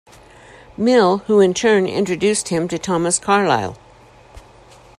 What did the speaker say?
Mill, who in turn introduced him to Thomas Carlyle.